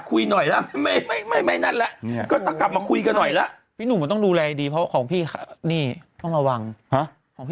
อุ๊ยไม่ใช่๒๐บาทเธอ